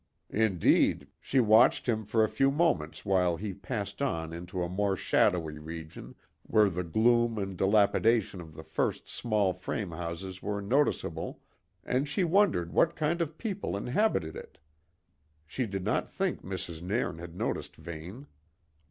Indeed, she watched him for a few moments while he passed on into a more shadowy region, where the gloom and dilapidation of the first small frame houses were noticeable, and she wondered what kind of people inhabited it. She did not think Mrs. Nairn had noticed Vane.